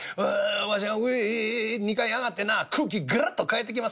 わしが上へ２階へ上がってな空気ガラッと変えてきます